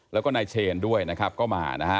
แล้วก็นายเชนด้วยนะครับก็มานะฮะ